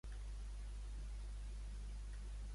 Pel que fa a clubs, destacà a Real Estelí.